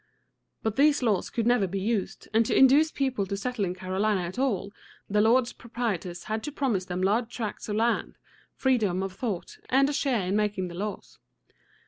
But these laws could never be used, and to induce people to settle in Carolina at all, the lords proprietors had to promise them large tracts of land, freedom of thought, and a share in making the laws.